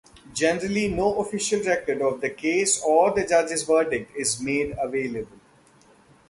Generally no official record of the case or the judge's verdict is made available.